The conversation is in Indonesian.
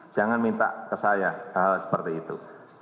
jangan minta ke saya hal hal seperti itu